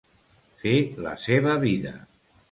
Fer la seva vida.